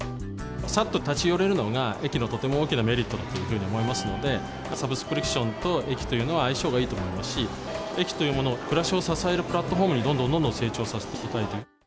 さっと立ち寄れるのが、駅のとても大きなメリットだというふうに思いますので、サブスクリプションと駅というのは、相性がいいと思いますし、駅というものを、暮らしを支えるプラットフォームに、どんどんどんどん成長させていきたい。